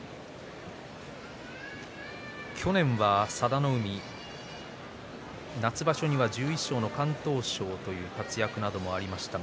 去年は佐田の海夏場所には１１勝の敢闘賞という活躍がありました。